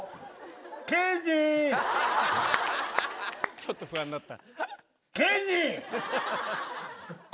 ちょっと不安になった。